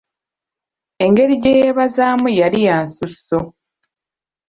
Engeri gye yeebazaamu yali ya nsusso